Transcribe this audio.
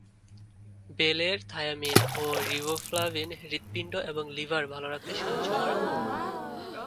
বেলের থায়ামিন ও রিবোফ্লাভিন হূৎপিণ্ড এবং লিভার ভালো রাখতে সাহায্য করে।